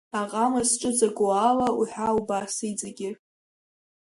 Аҟама зҿыҵаку ала уҳәа убас иҵегьы.